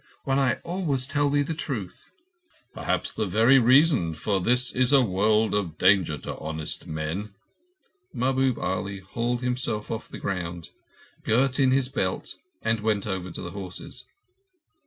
When I always tell thee the truth." "Perhaps the very reason, for this is a world of danger to honest men." Mahbub Ali hauled himself off the ground, girt in his belt, and went over to the horses.